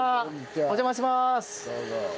お邪魔します。